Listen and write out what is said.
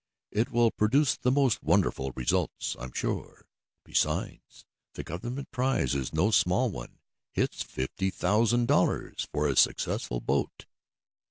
It will produce the most wonderful results, I'm sure. Besides, the government prize is no small one. It is fifty thousand dollars for a successful boat."